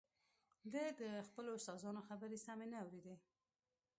ده د خپلو استادانو خبرې سمې نه اورېدې